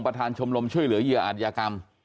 ประธานชมรมช่วยเหลือเยื่ออาธิกรรม